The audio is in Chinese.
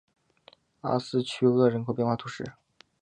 阿斯屈厄人口变化图示